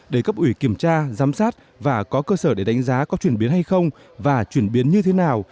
để cấp ủy kiểm tra giám sát và có cơ sở để đánh giá có chuyển biến hay không và chuyển biến như thế nào